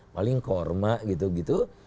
paling korma gitu gitu